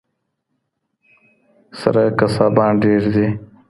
سره قصابان ډیر دي